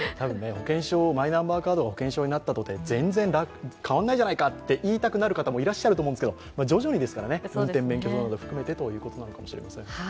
マイナンバーカードが保険証になったとはいえ全然変わらないじゃないかという人がいらっしゃると思うんですけれども、徐々にですけどね、運転免許証含めてということなのかもしれません。